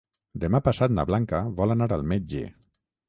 Demà passat na Blanca vol anar al metge.